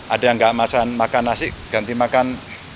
ada yang nggak makan nasi ganti makan